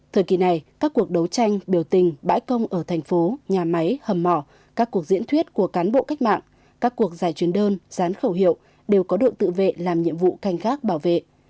thời kỳ này các cuộc đấu tranh biểu tình bãi công ở thành phố nhà máy hầm mỏ các cuộc diễn thuyết của cán bộ cách mạng các cuộc giải chuyên đơn gián khẩu hiệu đều có đội tự vệ làm nhiệm vụ canh gác bảo vệ